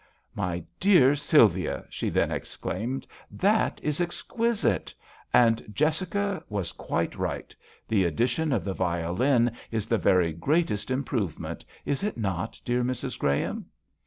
" My dear Sylvia," she then exclaimed, " that is exquisite I « 68 THE VIOLliY OBBLiGAtO. And Jessica was quite right ; the addition of the violin is the very greatest improvement, is it not, dear Mrs. Graham